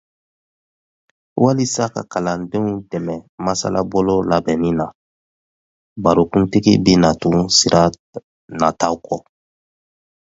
Walisa ka kalandenw dɛmɛ masalabolo labɛnni na, barokuntigi bina tugu sira nataw kɔ: